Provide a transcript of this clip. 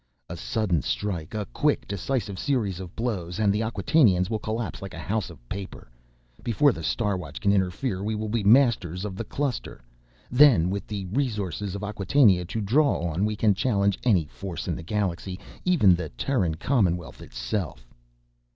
"A sudden strike, a quick, decisive series of blows, and the Acquatainians will collapse like a house of paper. Before the Star Watch can interfere, we will be masters of the Cluster. Then, with the resources of Acquatainia to draw on, we can challenge any force in the galaxy—even the Terran Commonwealth itself!"